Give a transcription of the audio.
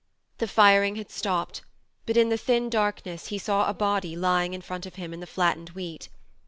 The firing had stopped, but in the thin dark ness he saw a body lying in front of him in the flattened wheat.